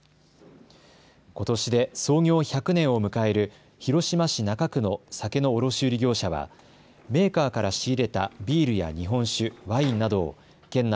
ことしで創業１００年を迎える広島市中区の酒の卸売業者はメーカーから仕入れたビールや日本酒、ワインなどを県内